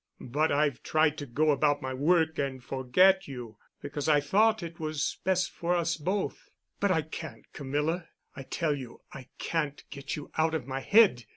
But I've tried to go about my work and forget you, because I thought it was best for us both. But I can't, Camilla, I tell you I can't get you out of my head.